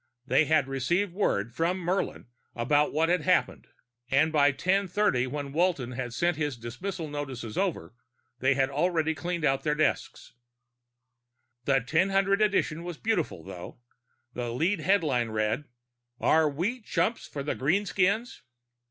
They had received word from Murlin about what had happened, and by 1030, when Walton sent his dismissal notices over, they were already cleaning out their desks. That 1000 edition was a beauty, though. The lead headline read: _ARE WE CHUMPS FOR THE GREENSKINS?